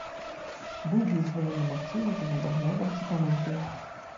Быў вызвалены, магчыма, за недаглядам ці памылкай.